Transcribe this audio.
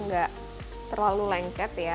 nggak terlalu lengket ya